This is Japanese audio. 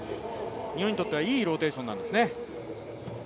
日本にとってはいいローテーションなんですね。